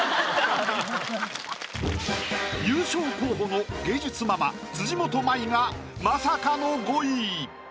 優勝候補の芸術ママ辻元舞がまさかの５位。